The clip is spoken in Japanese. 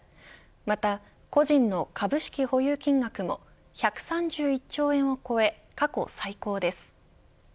また、個人の株式保有金額も１３１兆円を超え過去最高です。